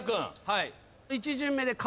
はい。